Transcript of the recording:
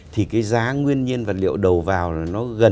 thì cái giá nguyên nhiên vật liệu đầu vào là nó gần